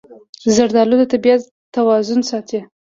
زردالو د طبیعت توازن ساتي.